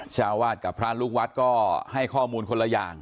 เจ้าอาวาสกับพระลูกวัดก็ให้ข้อมูลคนละอย่าง